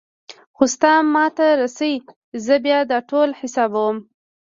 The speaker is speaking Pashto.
خو ستا ما ته رسي زه بيا دا ټول حسابوم.